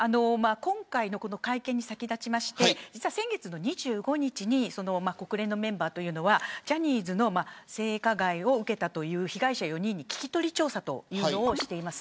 今回の会見に先立って先月２５日に国連のメンバーがジャニーズの性加害を受けたという被害者４人に聞き取り調査をしています。